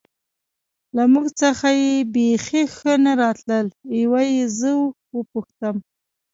له موږ څخه یې بېخي ښه نه راتلل، یوه یې زه و پوښتم.